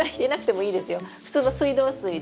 普通の水道水で。